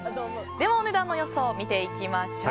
お値段の予想を見ていきましょう。